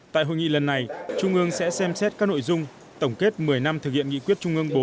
tại hội nghị lần này trung ương sẽ xem xét các nội dung tổng kết một mươi năm thực hiện nghị quyết trung ương bốn